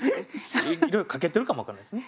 いろいろ掛けてるかも分からないですね。